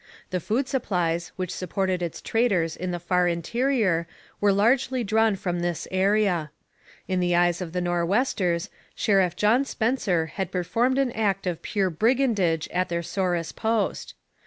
The food supplies which supported its traders in the far interior were largely drawn from this area. In the eyes of the Nor'westers, Sheriff John Spencer had performed an act of pure brigandage at their Souris post.